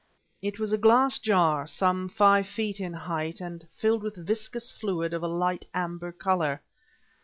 It was a glass jar, some five feet in height and filled with viscous fluid of a light amber color.